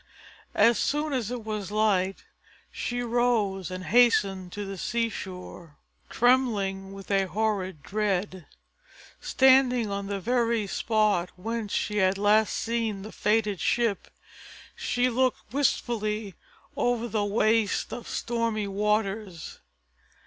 As soon as it was light she rose and hastened to the seashore, trembling with a horrible dread. Standing on the very spot whence she had last seen the fated ship, she looked wistfully over the waste of stormy waters.